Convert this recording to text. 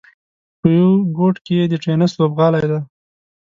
په یوه ګوټ کې یې د ټېنس لوبغالی دی.